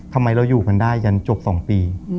ทำไมเราอยู่กันได้จนจบ๒ปี